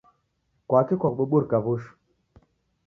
Kwaki kwabuburika w'ushu?